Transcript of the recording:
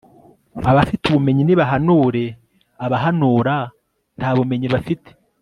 abafite ubumenyi, ntibahanure. abahanura, nta bumenyi bafite